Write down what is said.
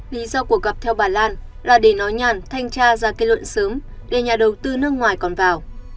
lý do cuộc gặp theo bà lan là để nói nhàn thanh tra ra kết luận sớm để nhà đầu tư nước ngoài còn vào